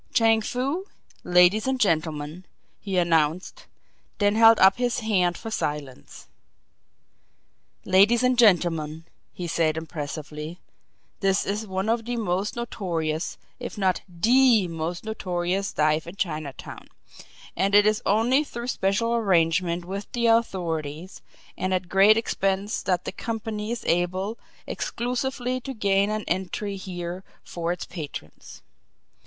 "Chang Foo ladies and gentlemen," he announced; then held up his hand for silence. "Ladies and gentlemen," he said impressively, "this is one of the most notorious, if not THE most notorious dive in Chinatown, and it is only through special arrangement with the authorities and at great expense that the company is able exclusively to gain an entree here for its patrons.